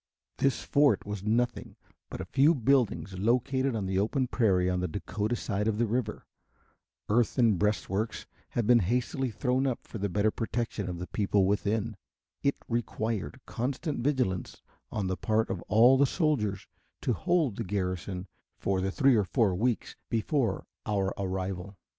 This fort was nothing but a few buildings located on the open prairie on the Dakota side of the river. Earthen breast works had been hastily thrown up for the better protection of the people within. It required constant vigilance on the part of all the soldiers to hold the garrison for the three or four weeks before our arrival.